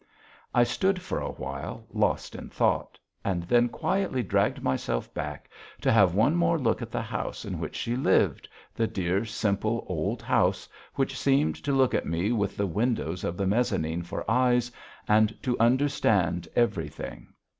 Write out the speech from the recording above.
I stood for a while lost in thought, and then quietly dragged myself back, to have one more look at the house in which she lived, the dear, simple, old house, which seemed to look at me with the windows of the mezzanine for eyes, and to understand everything.